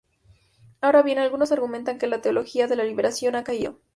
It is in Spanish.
Ahora bien, algunos argumentan que la teología de la liberación ha caído.